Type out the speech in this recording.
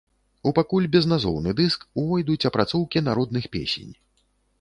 У пакуль безназоўны дыск увойдуць апрацоўкі народных песень.